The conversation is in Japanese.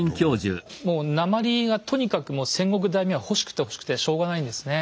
もう鉛がとにかくもう戦国大名は欲しくて欲しくてしょうがないんですね。